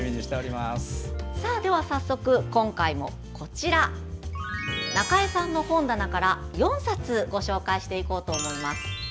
早速、今回も中江さんの本棚から４冊ご紹介していこうと思います。